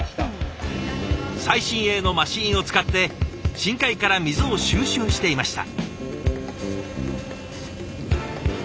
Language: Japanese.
最新鋭のマシーンを使って深海から水を収集していました。